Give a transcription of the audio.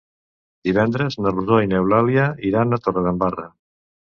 Divendres na Rosó i n'Eulàlia iran a Torredembarra.